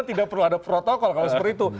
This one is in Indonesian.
tidak perlu ada protokol kalau seperti itu